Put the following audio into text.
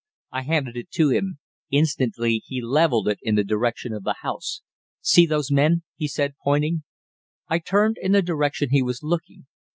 I handed it to him. Instantly he levelled it in the direction of the house. "See those men?" he said, pointing. I turned in the direction he was looking.